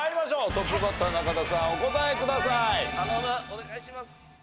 お願いします！